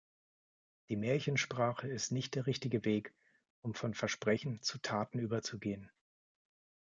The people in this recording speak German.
Die Märchensprache ist nicht der richtige Weg, um von Versprechen zu Taten überzugehen.